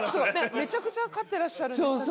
めちゃくちゃ飼ってらっしゃるんでしたっけ。